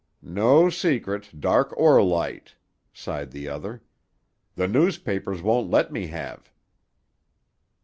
"No secret, dark or light," sighed the other. "The newspapers won't let me have."